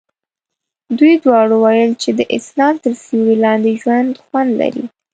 دوی دواړو ویل چې د اسلام تر سیوري لاندې ژوند خوند لري.